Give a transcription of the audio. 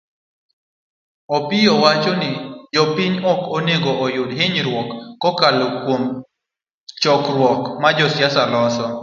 Opiyio wacho ni jopiny ok onego oyud hinyruok kokalo kuom chokruok ma josiasa loso.